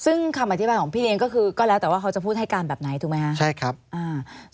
ซึ่งคำอธิบายของพี่เลี้ยงก็คือก็แล้วแต่ว่าเขาจะพูดให้การแบบไหนถูกไหมฮะใช่ครับอ่า